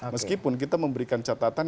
meskipun kita memberikan catatan